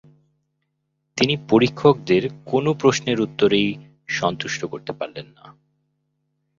তিনি পরীক্ষকদের কোনো প্রশ্নের উত্তরেই সন্তুষ্ট করতে পারলেন না।